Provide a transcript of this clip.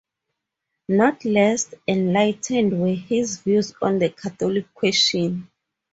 Not less enlightened were his views on the Catholic question.